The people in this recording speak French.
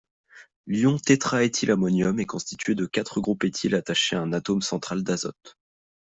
L'ion tétraéthylammonium est constitué de quatre groupes éthyle attaché à un atome central d’azote.